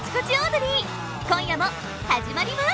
今夜も始まります！